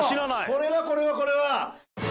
これはこれはこれは。